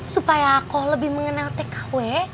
supaya kau lebih mengenal tkw